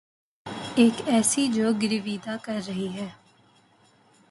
یک ایسی جو گرویدہ کر رہی ہے